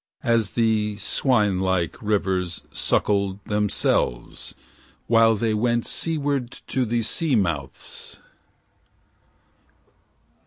As the swine like rivers suckled themselves While they went seaward to the sea mouths.